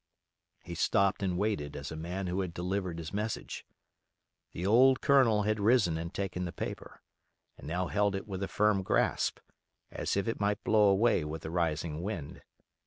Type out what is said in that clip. He stopped and waited as a man who had delivered his message. The old Colonel had risen and taken the paper, and now held it with a firm grasp, as if it might blow away with the rising wind.